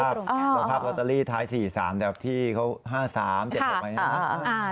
ลงภาพรอตเตอรี่ท้าย๔๓แต่ว่าพี่เขา๕๓๗๖อะไรแบบนี้ค่ะ